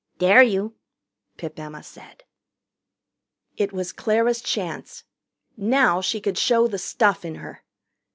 "Dare you!" Pip Emma said. It was Clara's chance. Now she could show the stuff in her.